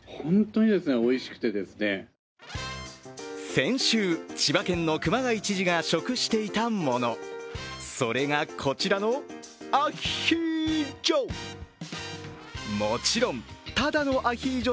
先週、千葉県の熊谷知事が食していたもの、それが、こちらのアヒージョ。